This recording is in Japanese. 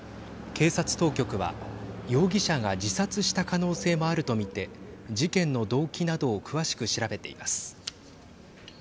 警察当局は容疑者が自殺した可能性もあると見て事件の動機などを詳しく調べています。